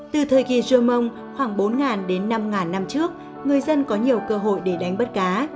từ thời kỳ joe mông khoảng bốn đến năm năm trước người dân có nhiều cơ hội để đánh bắt cá